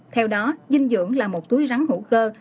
theo đó dinh dưỡng là một túi rắn hữu cơ